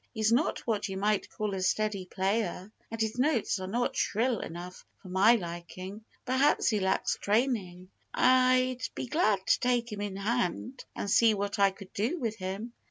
He's not what you might call a steady player. And his notes are not shrill enough for my liking. Perhaps he lacks training. I'd be glad to take him in hand and see what I could do with him.